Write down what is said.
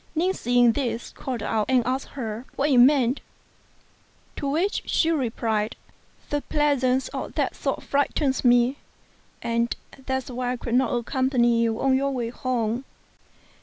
Ning seeing this, called out and asked her what it meant; to which she replied "The presence of that sword frightens me, and that is why I could not accompany you on your way home."